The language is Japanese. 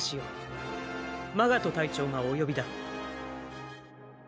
マガト隊長がお呼びだ。